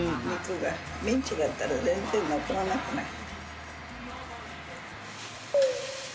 ミンチだったら全然残らなくなる。